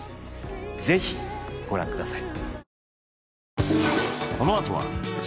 ぜひご覧ください